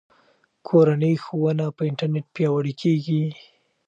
کورنۍ ښوونه په انټرنیټ پیاوړې کیږي.